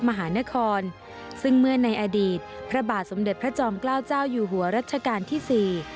มหานครซึ่งเมื่อในอดีตพระบาทสมเด็จพระจอมเกล้าเจ้าอยู่หัวรัชกาลที่สี่